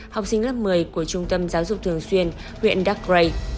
học sinh lớp một mươi của trung tâm giáo dục thường xuyên huyện dark gray